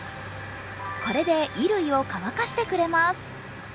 これで衣類を乾かしてくれます。